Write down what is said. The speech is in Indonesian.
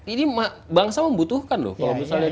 ini bangsa membutuhkan loh kalau misalnya